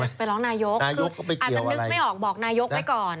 ไปร้องนายกคืออาจจะนึกไม่ออกบอกนายกไว้ก่อน